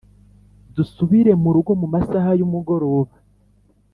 dusubire murugo mumasaha yumugoroba